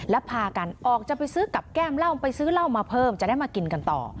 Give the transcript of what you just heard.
แล้วพากันออกจะไปซื้อกับแก้มเหล้าไปซื้อเหล้ามาเพิ่มจะได้มากินกันต่อ